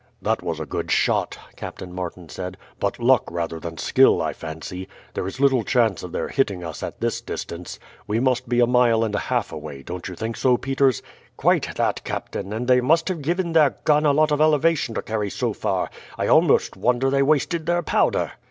"That was a good shot," Captain Martin said; "but luck rather than skill I fancy. There is little chance of their hitting us at this distance. We must be a mile and a half away; don't you think so, Peters?" "Quite that, captain; and they must have given their gun a lot of elevation to carry so far. I almost wonder they wasted their powder."